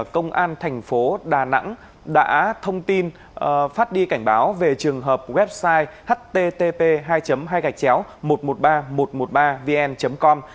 công an thành phố đà nẵng đã thông tin phát đi cảnh báo về trường hợp website http một trăm một mươi ba nghìn một trăm một mươi ba vn com